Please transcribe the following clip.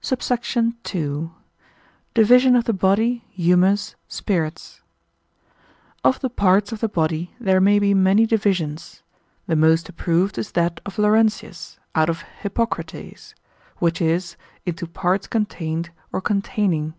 SUBSECT. II.—Division of the Body, Humours, Spirits. Of the parts of the body there may be many divisions: the most approved is that of Laurentius, out of Hippocrates: which is, into parts contained, or containing.